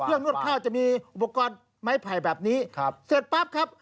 นวดข้าวจะมีอุปกรณ์ไม้ไผ่แบบนี้ครับเสร็จปั๊บครับ